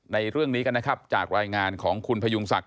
ในเรื่องนี้กันนะครับจากรายงานของคุณพยุงศักดิ